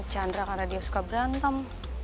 aku jauhin chandra karena dia suka berantem